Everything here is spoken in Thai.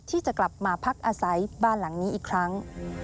ที่จะกลับมาพักอาศัยบ้านหลังนี้อีกครั้ง